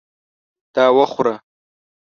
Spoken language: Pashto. دا وخوره !